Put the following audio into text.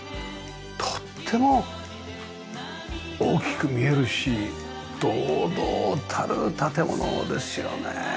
とっても大きく見えるし堂々たる建物ですよね。